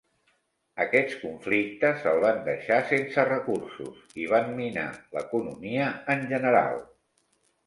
Aquests conflictes el van deixar sense recursos i van minar l'economia en general.